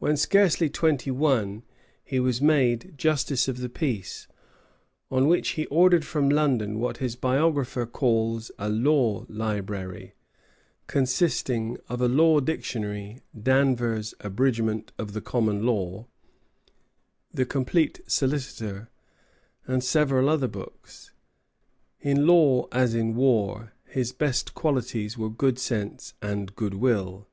When scarcely twenty one, he was made justice of the peace, on which he ordered from London what his biographer calls a law library, consisting of a law dictionary, Danvers' "Abridgment of the Common Law," the "Complete Solicitor," and several other books. In law as in war, his best qualities were good sense and good will.